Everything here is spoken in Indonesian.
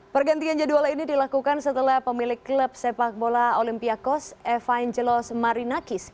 pergantian jadwal ini dilakukan setelah pemilik klub sepak bola olympiakos evangelos marinakis